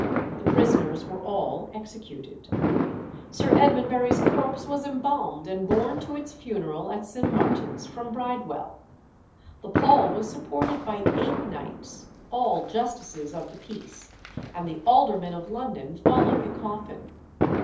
The prisoners were all executed. Sir Edmondbury's corpse was embalmed and borne to its funeral at St. Martin's from Bridewell. The pall was supported by eight knights, all justices of the peace, and the aldermen of London followed the coffin.